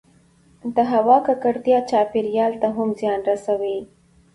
د هـوا کـکړتـيا چاپـېريال ته هم زيان رسـوي